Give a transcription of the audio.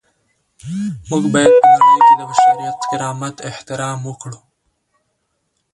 موږ باید په نړۍ کي د بشري کرامت احترام وکړو.